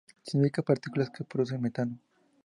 Significa "partículas que producen metano".